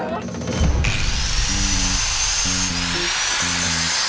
kenapa kalian masih bengong aja